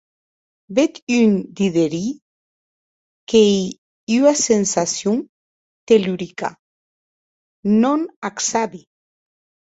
Bèth un diderie qu'ei ua sensacion tellurica, non ac sabi.